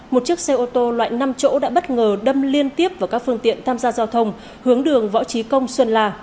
một chiếc xe ô tô loại năm chỗ đã bất ngờ đâm liên tiếp vào các phương tiện tham gia giao thông hướng đường võ trí công xuân la